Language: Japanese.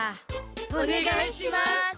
おねがいします。